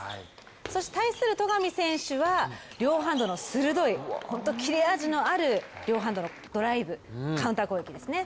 そして対する戸上選手は両ハンドの鋭い切れ味のある両ハンドのドライブ、カウンター攻撃ですね。